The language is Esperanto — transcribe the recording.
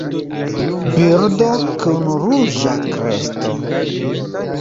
Birdo kun ruĝa kresto.